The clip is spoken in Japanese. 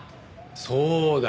そうだよ！